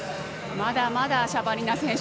まだまだシャバリナ選手